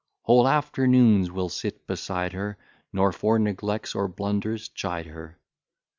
Whole afternoons will sit beside her, Nor for neglects or blunders chide her.